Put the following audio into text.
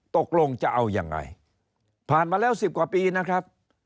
ตกลงจะเอายังไงผ่านมาแล้ว๑๐กว่าปีนะครับ